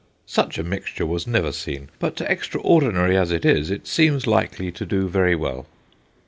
Such a mixture was never seen, but, extraordinary as it is, it seems likely to do very well.'